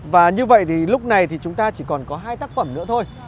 và như vậy thì lúc này thì chúng ta chỉ còn có hai tác phẩm nữa thôi